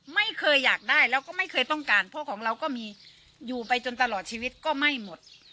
ไม่เคยอยากได้แล้วก็ไม่เคยต้องการเพราะของเราก็มีอยู่ไปจนตลอดชีวิตก็ไม่หมด